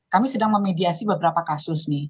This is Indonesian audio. kami sedang memediasi beberapa kasus nih